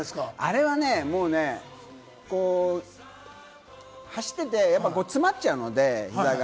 あれはね、もうね、走ってて詰まっちゃうので、膝が。